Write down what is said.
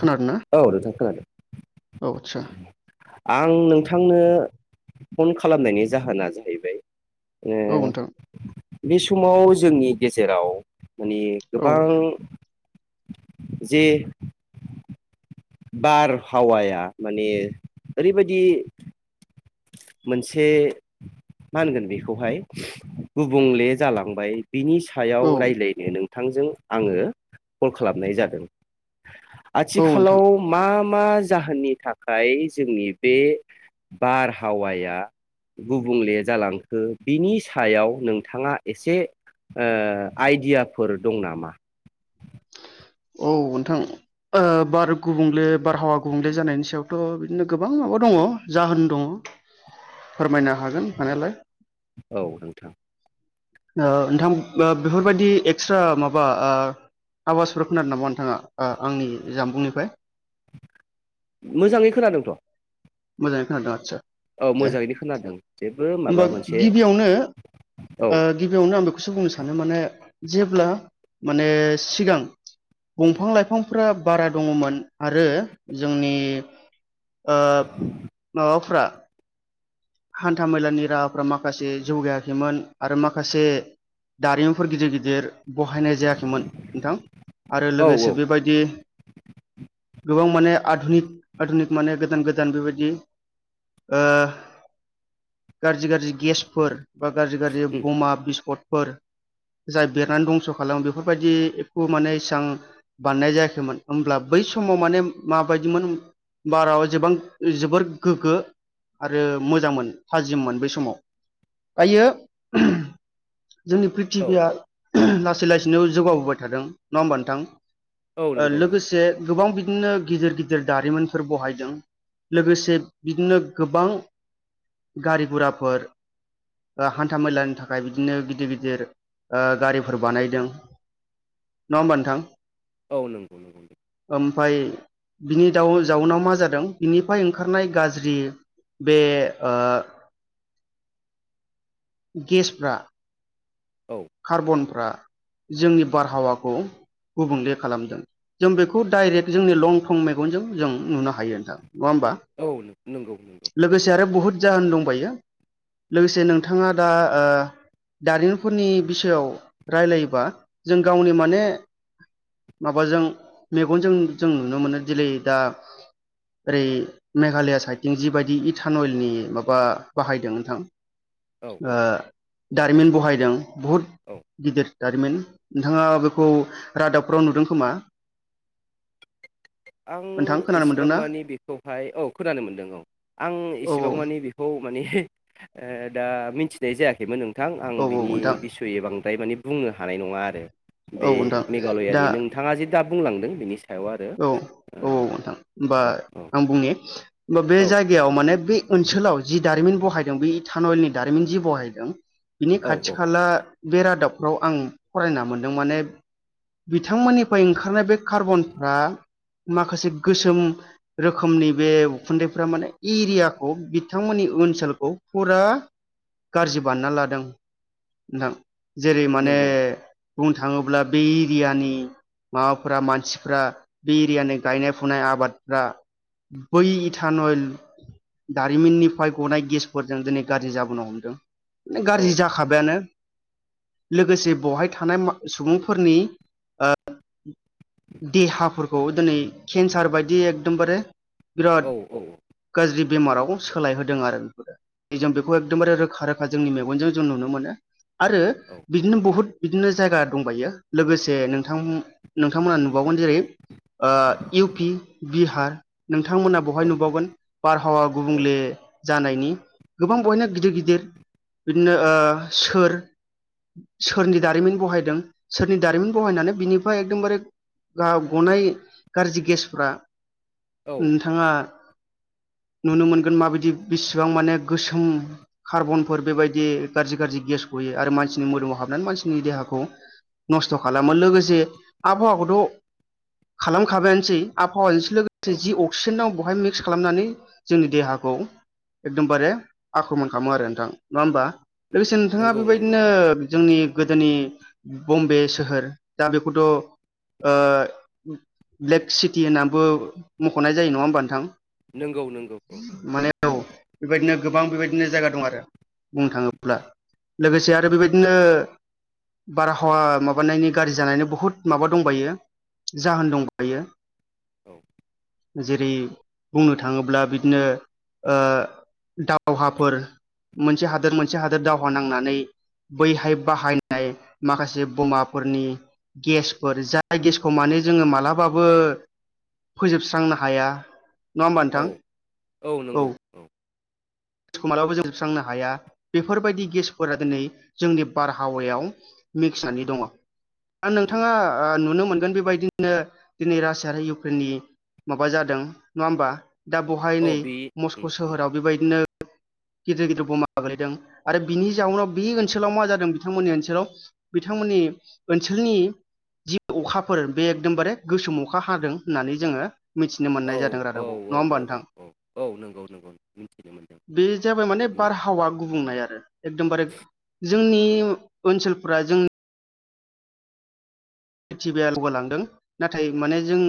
खोनादों ना औ नोंथां खोनादों औ आदसा आं नोंथांनो फन खालामनायनि जाहोना जाहैबाय औ नोंथां बे समाव जोंनि गेजेराव माने औ गोबां जे बारहावाया माने ओरैबायदि मोनसे मा होनगोन बेखौहाय गुबुंले जालांबाय बिनि सायाव औ रायलायनो नोंथांजों औ नोंथां आथिखालाव मा मा जाहोननि थाखाय जोंनि बे बार हावाया गुबुंले जालांखो बिनि सायाव नोंथाङा एसे ओ आइडियाफोर दं नामा औ नोंथां ओ बार गुबुंले बारहावा गुबुंले जानायनि सायावथ' बिदिनो गोबां माबा दङ जाहोन दङ फोरमायनो हागोन हानायालाय औ नोंथां ओ नोंथां बेफोरबायदि एक्सट्रा माबा ओ आवाजफोर खोनादों नामा नोंथाङा आंनि जामबुंनिफ्राय मोजाङै खोनादोंथ' मोजां खोनादों आदसा औ दे मोजाङैनो खोनादों जेबो माबा होनबा मोनसे गिबियावनो औ ओ गिबियावनो आं बेखौ सो बुंनो सानो माने जेब्ला माने सिगां दंफां लाइफांफ्रा बारा दङमोन आरो जोंनि ओ [inaudible] अफ्रा हान्था मेलानि राहाफ्रा माखासे जौगायाखैमोन आरो माखासे दारिमिनफोर गिदिर गिदिर बहायनाय जायाखैमोन नोंथां आरो औ लोगोसे औ बेबायदि गोबां माने आधुनिक आधनिक माने गोदान गोदान बेबायदि ओ गाज्रि गाज्रि गेसफोर बा गाज्रि गाज्रि उम बमा बिस्कटफोर जाय बेरनानै दंस' खालामो बेफोरबायदिखौ माने इसां बानायनाय जायाखैमोन होमब्ला बै समाव माने माबायदिमोन बाराजोबां जोबोर गोग्गो आरो मोजांमोन थाजिममोन बै समाव दायो जोंनि औ प्रिथिबिआ लासै लासैनो जौगाबोबाय थादों नङा होमबा नोंथां औ नंगौ नंगौ लोगोसे गोबां बिदि बिदिनो गिदिर गिदिर दारिमिनफोर बहायदों लोगोसे बिदिनो गोबां गारि गराफोर हान्था मेलानि थाखाय बिदिनो गिदिर गिदिर ओ गारिफोर बानायदों नङा होमबा नोंथां औ नंगौ नंगौ दे ओमफाय बिनि दाउ जाउनाव मा जादों बिनिफ्राय ओंखारनाय गाज्रि बे ओ गेसफ्रा औ कार्बन फ्रा जोंनि बारहावाखौ गुबुंले खालामदों जों बेखौ डाइरेक्ट जोंनि लंथं मेगनजों जों नुनो हायो हायो नोथां नङा होमबा औ नंगौ नंगौ लोगोसे आरो बुहुद जाहोन दंबायो लोगोसे नोंथाङा दा ओ दारिमिनफोरनि बिसयाव रायलायोबा जों गावनि माने माबाजों मेगनजों जों नुनो मोनो दिनै दा ओरै मेघालया साइडथिं जिबायदि इटान अइलनि माबा बाहायदों नोंथां औ ओ दारिमिन बहायदों बहुद औ गिदिर दारिमिन नोंथाङा बेखौ रादाबफ्राव नुदों खोमा आं नोंथां खोनानो इसेबां मोनदोंना मानि बेखौहाय औ खोनानो मोनदों औ आं औ इसेबां औ मानि बेखौ माने दा मिथिनाय जायाखैमोन नोंथां आं औ बिनि नोंथां बिसय बां फ्राय माने बुंनो हानाय नङा आरो औ बे नोंथां दा मेघालयानि नोंथाङा जे दा बुंलांदों बेनि सायाव आरो औ औ औ नोंथां होमबा ओ औ आं बुं नि बे औ जायगायाव माने बे ओनसोलाव जि दारिमिन बहायदों बेै इ थानयलनि दारिमिन जि बहायदों बिनि औ खाथि औ खाला बे रादाब फाव आं फरायना मोनदों माने बिथांमोननिफ्राय ओंखारनाय बे कार्बन फ्राय माखासे गोसोम रोखोमनि बे उखुन्दैफ्रा माने एरियाखौ बिथांमोननि ओनसोलखौ फुरा गाज्रि बानना लादों, नोंथां। जेरै माने नंगौ बुंनो थांङोब्ला बे एरियानि माबाफोरा मानसि फोरा बे एरियानि गायनाय फुनाय आबादफ्रा बै इथानयल दारिमिननिफ्राय गनाय गेसफोरजों दिनै गाज्रि जाबोनो हमदों मने औ गाज्रि जाखाबायानो। लोगोसे बहाय थानाय मा सुबुंफोरनि ओ देहाफोरखौ दिनै केन्सार बायदि एकदमबारे बिराद औ औ गाज्रि बेमाराव सोलायहोदों आरो जों बेखौ एकदमबारे रोखा रोखा जोंनि मेगनजों जों नुनो मोनो। आरो बिदिनो बहुद बिदिनो जायगा दंबायो लोगोसे नोंथां नोंथांमोना नु बावगोन जेरै ओ इउ पि, बिहार नोंथांमोना बवहाय औ नुबावगोन बारहावा गुबुंले जानायनि गोबां बहायनो गिदिर गिदिर बिदिनो ओ सोर सोरनि दारिमिन बहायदों सोरनि दारिमिन बहायनानै बिनिफ्राय एकदमबारे गा गनाय गाज्रि गेसफ्रा, औ नोंथाङा [inaudible] नुनो मोनगोन माबायदि बेसेबां माने गोसोम कार्बनफोर बेबायदि गाज्रि गाज्रि गेसखौ बोयो आरो मानसिनि मोदोमाव हाबनानै मानसिनि देहाखौ नसथ' खालामो, लोगोसे आबहावाखौ खौ खालामखाबायानोसै आबहावाजोंसो लोगोसे जि अक्सिजेन नांगौ बेहाय मिक्स खालामनानै जोंनि देहाखौ एकदमबारे आख्रमन खालामो आरो नोंथां, नङा होमबा? उम लोगोसे नोंथाङा नंगौ नंगौ बेबायदिनो जोंनि गोदोनि बम्बे सोहोर दा बेखौथ' ओ ब्लेक सिटि होननानैबो मख'नाय जायो नङा होमबा नोंथां? नंगौ नंगौ औ माने औ बेबायदिनो गोबां बेबायदिनो जायगा दं आरो। बुंनो थाङोब्ला लोगोसे आरो बेबायदिनो बारहावा माबानायनि गारजि जानायनि बहुत माबा दंबायो जाहोन दंबायो औ जेरै बुंनो थाङोब्ला बिदिनो ओ दावहाफोर मोनसे हादोर मोनसे हादोर दावहा नांनानै बैहाय बाहायनाय माखासे बमाफोरनि गेस जाय गेसखौ माने जोंङो मालाबाबो फोजोबस्रांनो हाया नङा होमबा नोंथां? औ औ। मालाबाबो जों जोबस्रांनो हाया बेफोरबायदि गेसफोरा दिनै जोंनि बारहावायाव मिक्सानि दङ [inaudible] नोंथाङा नुनो मोन मोनगोन बेबायदिनो दिनै रासिया आरो इउक्रेननि माबा जादों नङा होमबा दा बेहाय औ नै बे उम मस्क' सोहोराव बेबायदिनो [inaudible] गिदिर गिदिर बमा गोलैदों, आरो बिनि जाउनाव बे ओनसोलाव मा जादों? बिथांमोननि ओनसोलाव बिथांमोननि ओनसोलनि जि अखाफोर बे एकदमबारे गोसोम अखा हादों होननानै जोङो मिथिनो औ मोननाय जादों औ रादाबखौ नङा औ होमबा नोंथां? औ औ औ नंगौ नंगौ मिथिनो मोनदों बे जाबाय माने बारहावा गुबुंनाय आरो एकदमबारे जोंनि ओनसोलफ्रा जों [unintelligible] लांदों नाथाय माने जों